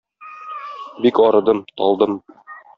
Бик арыдым, талдым.